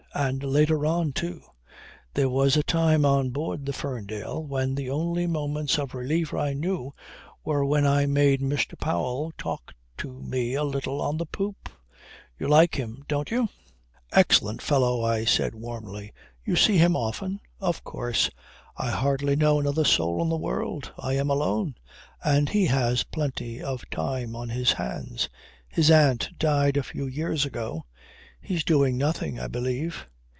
And later on, too. There was a time on board the Ferndale when the only moments of relief I knew were when I made Mr. Powell talk to me a little on the poop. You like him? Don't you?" "Excellent fellow," I said warmly. "You see him often?" "Of course. I hardly know another soul in the world. I am alone. And he has plenty of time on his hands. His aunt died a few years ago. He's doing nothing, I believe."